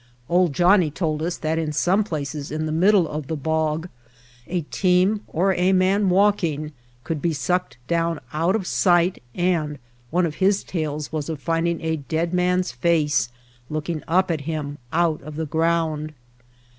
"Old Johnnie" told us that in some places in the middle of the bog a team or a man walking could be sucked down out of sight and one of his tales was of finding a dead man's face looking up at him out of the ground.